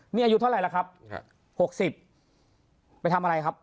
นี่อายุเท่าไรล่ะครับครับหกสิบไปทำอะไรครับ